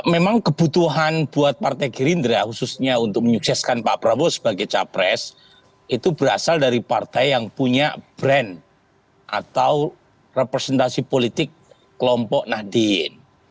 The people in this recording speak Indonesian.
memang kebutuhan buat partai gerindra khususnya untuk menyukseskan pak prabowo sebagai capres itu berasal dari partai yang punya brand atau representasi politik kelompok nahdien